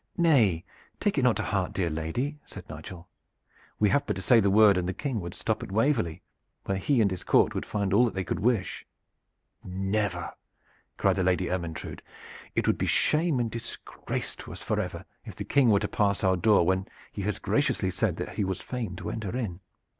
"Nay, take it not to heart, dear lady!" said Nigel. "We have but to say the word and the King would stop at Waverley, where he and his court would find all that they could wish." "Never!" cried the Lady Ermyntrude. "It would be shame and disgrace to us forever if the King were to pass our door when he has graciously said that he was fain to enter in.